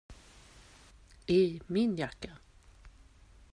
I min jacka.